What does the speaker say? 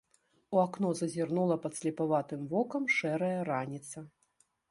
У акно зазірнула падслепаватым вокам шэрая раніца.